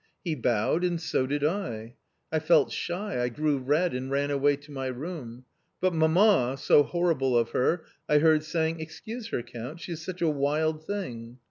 He bowed, and so did I. I felt shy, I grew red and ran away to my room. But mamma — so horrible of her — I heard saying, * Excuse her, Count, she is such a wild thing'.